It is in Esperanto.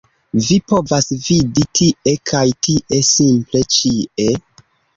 Vi povas vidi tie kaj tie - simple ĉie